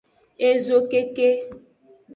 Ezokeke.